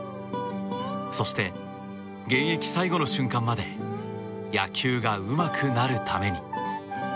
そして、現役最後の瞬間まで野球がうまくなるために。